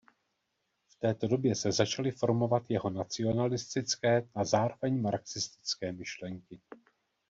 V této době se začaly formovat jeho nacionalistické a zároveň marxistické myšlenky.